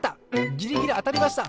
ギリギリあたりました。